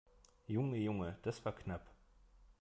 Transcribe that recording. Junge, Junge, das war knapp!